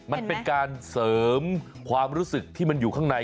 มันเป็นการเสริมความรู้สึกที่มันอยู่ข้างใน